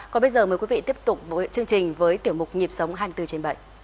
còn bây giờ mời quý vị tiếp tục với chương trình với tiểu mục nhịp sống hai mươi bốn trên bảy